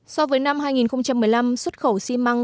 so với năm hai nghìn một mươi năm xuất khẩu xi măng